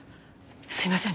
すいません